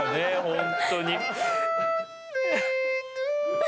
ホントに。